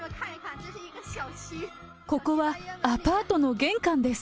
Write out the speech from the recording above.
ここは、アパートの玄関です。